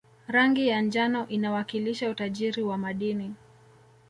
rangi ya njano inawakilisha utajiri wa madini